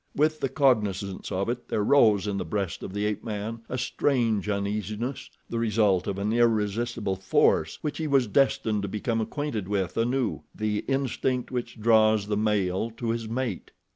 With the cognizance of it there rose in the breast of the ape man a strange uneasiness—the result of an irresistible force which he was destined to become acquainted with anew—the instinct which draws the male to his mate.